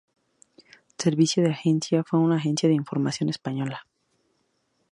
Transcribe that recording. Servicio de Agencia— fue una agencia de información española.